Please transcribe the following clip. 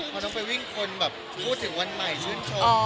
มันต้องไปวิ่งคนแบบพูดถึงวันใหม่ชื่นชม